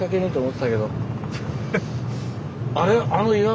あれ？